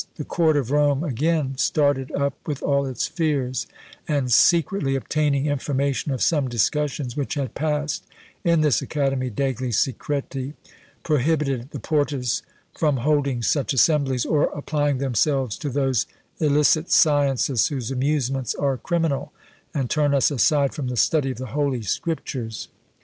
The court of Rome again started up with all its fears, and, secretly obtaining information of some discussions which had passed in this academy degli Secreti, prohibited the Porta's from holding such assemblies, or applying themselves to those illicit sciences, whose amusements are criminal, and turn us aside from the study of the Holy Scriptures.